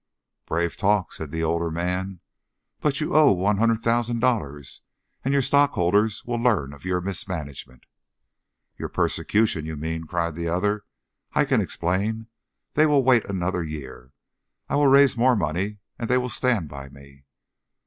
"Brave talk!" said the older man. "But you owe one hundred thousand dollars, and your stockholders will learn of your mismanagement." "Your persecution, you mean!" cried the other. "I can explain. They will wait another year. I will raise more money, and they will stand by me."